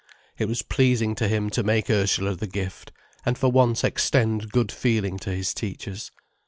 It was pleasing to him to make Ursula the gift, and for once extend good feeling to his teachers.